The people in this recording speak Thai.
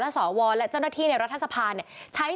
แต่ว่าไม่สามารถผ่านเข้าไปที่บริเวณถนน